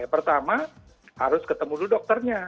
pertama harus ketemu dulu dokternya